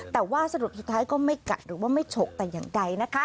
แต่ว่าสรุปสุดท้ายก็ไม่กัดหรือว่าไม่ฉกแต่อย่างใดนะคะ